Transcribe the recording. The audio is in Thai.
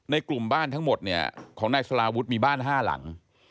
กลุ่มบ้านทั้งหมดเนี่ยของนายสลาวุฒิมีบ้าน๕หลัง